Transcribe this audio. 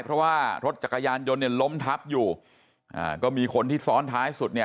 เพราะว่ารถจักรยานยนต์ล้มทับอยู่ก็มีคนที่ซ้อนท้ายสุด